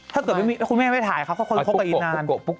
ถ้าไม่มีขนนี้คุณแม่ไม่ถ่ายเขาก็ไปคบกันนาน